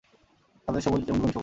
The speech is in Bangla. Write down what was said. সাদাটে সবুজ এবং বেগুনি সবুজ।